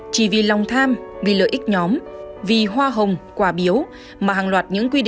chỉ vì lòng tham vì lợi ích nhóm vì hoa hồng quà biếu